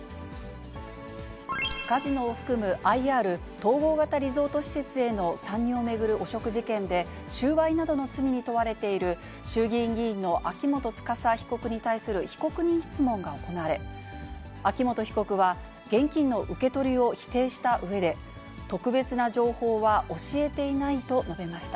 カジノを含むＩＲ・統合型リゾート施設への参入を巡る汚職事件で、収賄などの罪に問われている衆議院議員の秋元司被告に対する被告人質問が行われ、秋元被告は、現金の受け取りを否定したうえで、特別な情報は教えていないと述べました。